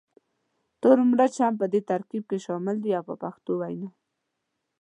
تور مرچ هم په دې ترکیب کې شامل دی په پښتو وینا.